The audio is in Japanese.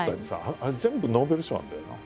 あれ全部ノーベル賞なんだよな。